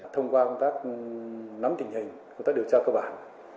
thông qua công tác nắm tình hình công tác điều tra cơ bản